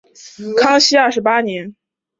康熙二十八年升贵州黔西州知州。